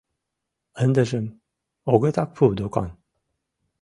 Ындыжым огытак пу докан.